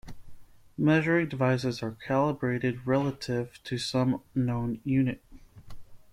Measuring devices are calibrated relative to some known unit.